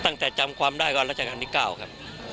ตั้งแต่จำความได้ก่อนแล้วจากครั้งที่๙ครับ